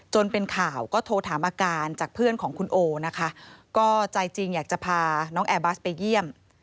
เป็นข่าวก็โทรถามอาการจากเพื่อนของคุณโอนะคะก็ใจจริงอยากจะพาน้องแอร์บัสไปเยี่ยม